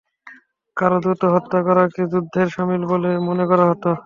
কারো দূত হত্যা করাকে যুদ্ধের শামিল বলে মনে করা হত।